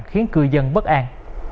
khiến cư dân bất an